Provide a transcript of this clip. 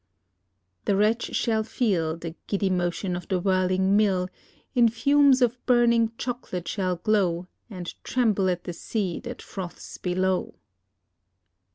The wretch shall feel The giddy motion of the whirling mill, In fumes of burning chocolate shall glow, And tremble at the sea that froths below!